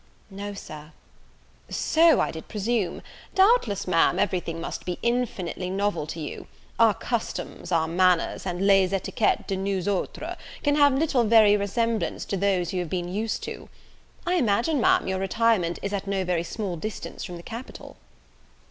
"No, Sir." "So I did presume. Doubtless, Ma'am, every thing must be infinitely novel to you. Our customs, our manners, and les etiquettes de nous autres, can have little very resemblance to those you have been used to. I imagine, Ma'am, your retirement is at no very small distance from the capital?"